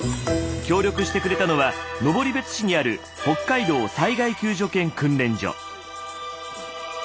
協力してくれたのは登別市にある北海道災害救助犬訓練所。